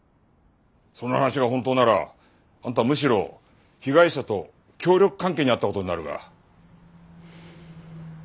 その話が本当ならあんたはむしろ被害者と協力関係にあった事になるが。